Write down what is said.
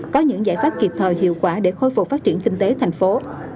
có những giải pháp kịp thời hiệu quả để khôi phục phát triển kinh tế thành phố